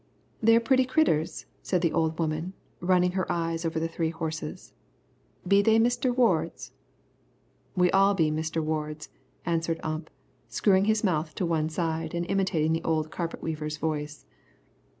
"They're pretty critters," said the old woman, running her eyes over the three horses. "Be they Mister Ward's?" "We all be Mister Ward's," answered Ump, screwing his mouth to one side and imitating the old carpet weaver's voice.